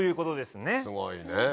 すごいねぇ。